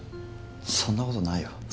そんなことないよ。